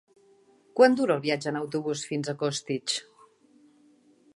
Quant dura el viatge en autobús fins a Costitx?